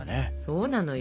そうなのよ。